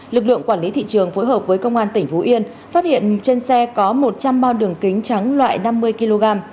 lực lượng quản lý thị trường phối hợp với công an tỉnh phú yên phát hiện trên xe có một trăm linh bao đường kính trắng loại năm mươi kg